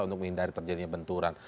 untuk menghindari terjadinya bentrokan